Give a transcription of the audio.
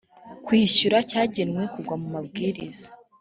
kwishyura cyagenwe kugwa mu mabwiriza